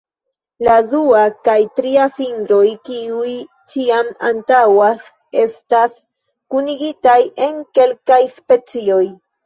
La dua kaj tria fingroj, kiuj ĉiam antaŭas, estas kunigitaj en kelkaj specioj.